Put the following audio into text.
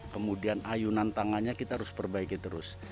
kemudian ayunan tangannya kita harus perbaiki terus